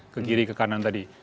ke kiri ke kanan tadi